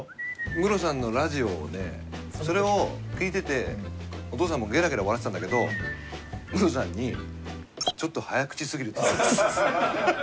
ムロさんのラジオでそれを聴いててお父さんもげらげら笑ってたんだけどムロさんに「ちょっと早口過ぎる」そうそうそうそう。